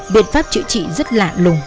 biện pháp chữa trị rất lạ lùng